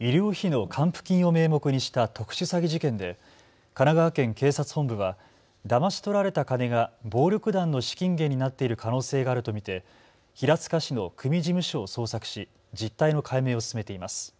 医療費の還付金を名目にした特殊詐欺事件で神奈川県警察本部はだまし取られた金が暴力団の資金源になっている可能性があると見て平塚市の組事務所を捜索し実態の解明を進めています。